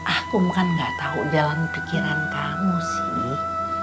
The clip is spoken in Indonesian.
akum kan nggak tahu jalan pikiran kamu sih